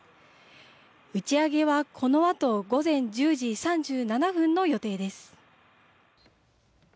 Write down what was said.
打ち上げはこのあと午前１０時３７分の予定です。